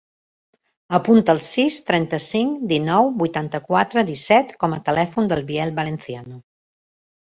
Apunta el sis, trenta-cinc, dinou, vuitanta-quatre, disset com a telèfon del Biel Valenciano.